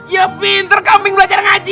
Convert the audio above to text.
ya pinter kambing belajar ngaji